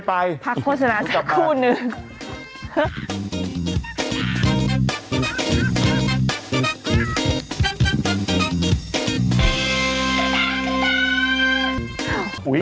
ภาคโฆษณาชักคู่นึง